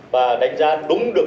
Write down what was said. và đánh giá đúng được